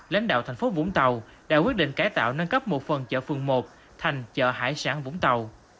lãnh đạo thành phố vũng tàu đã quyết định cải tạo nâng cấp một phần chợ phường một thành chợ hải sản vũng tàu